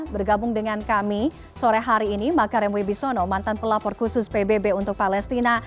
bergabung dengan kami sore hari ini makarem wibisono mantan pelapor khusus pbb untuk palestina